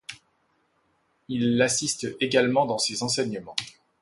Il l'assiste également dans ses enseignements.